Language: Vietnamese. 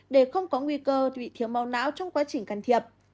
để không có nguy cơ bị thiếu máu não trong quá trình can thiệp